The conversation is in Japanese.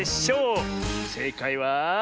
せいかいは。